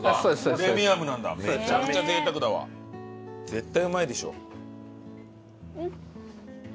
絶対うまいでしょ。